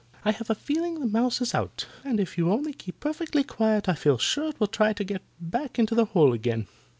"I have a feeling the mouse is out, and if you only keep perfectly quiet I feel sure it will try to get back into the hole again.